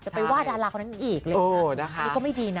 จะไปวาดาราคนนั้นอีกเลยนะนี่ก็ไม่ดีนะ